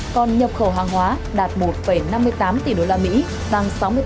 còn nhập khẩu hàng hóa đạt một năm mươi tám tỷ usd tăng sáu mươi tám